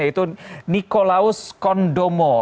yaitu nikolaus kondomo